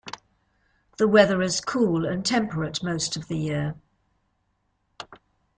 The weather is cool and temperate most of the year.